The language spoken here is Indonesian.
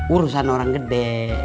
urusan orang gede